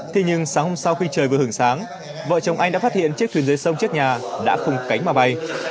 thế nhưng sáng hôm sau khi trời vừa hường sáng vợ chồng anh đã phát hiện chiếc thuyền dưới sông trước nhà đã không cánh mà bay